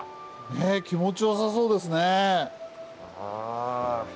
ねえ気持ちよさそうですねえ。